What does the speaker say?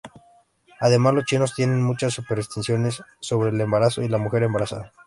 Además los chinos tienen muchas supersticiones sobre el embarazo y la mujer embarazada.